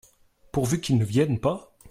Pourvu qu'ils ne viennent pas !